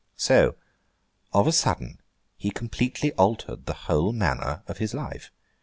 So, of a sudden, he completely altered the whole manner of his life.